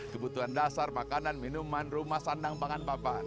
kebutuhan dasar makanan minuman rumah sandang pangan papan